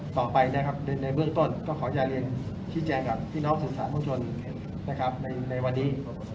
ต่อไปในเบื้องต้นก็ขออย่าเรียนชิ้นแจกับพี่น้องศึกษาภูมิชนในวันนี้